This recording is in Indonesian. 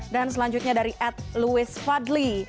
dan selanjutnya dari ed louis fadli